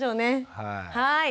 はい。